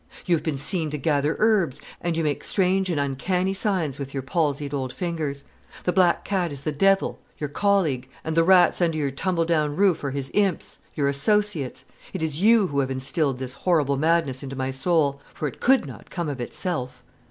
"You have been seen to gather herbs, and you make strange and uncanny signs with your palsied old fingers. The black cat is the devil, your colleague; and the rats under your tumble down roof are his imps, your associates. It is you who have instilled this horrible madness into my soul; for it could not come of itself."